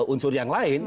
unsur yang lain